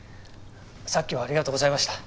さっきはありがとうございました。